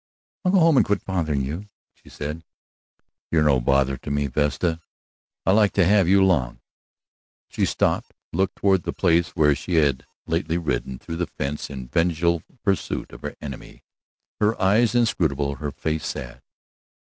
"I'll go on home and quit bothering you," she said. "You're no bother to me, Vesta; I like to have you along." She stopped, looked toward the place where she had lately ridden through the fence in vengeful pursuit of her enemy, her eyes inscrutable, her face sad.